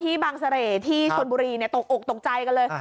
บางเสร่ที่ชนบุรีตกอกตกใจกันเลย